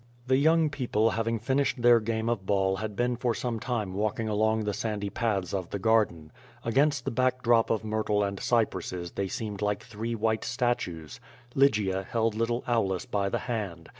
The young people having finished their game of ball had been for some time walking along the sandy paths of the garden. Against the background of myrtle and cypresses they seemed like three white statues. Lygia held little Aulus by the hand.